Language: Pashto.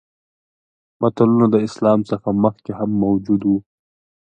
متلونه د اسلام څخه مخکې هم موجود وو